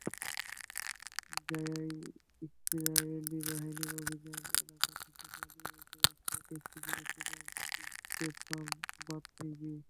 শাজাইয়ায় Israeli বাহিনীর অভিযান এলাকা থেকে পালিয়ে এসে রাস্তায় ট্যাক্সি খুঁজছিলেন ইবতেসাম বাতনিজি।